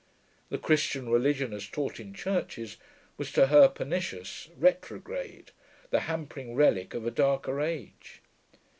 The Christian religion, as taught in churches, was to her pernicious, retrograde, the hampering relic of a darker age.